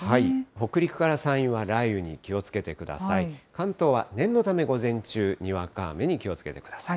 北陸から山陰は雷雨に気をつけてください。